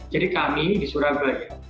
jadi kami di surabaya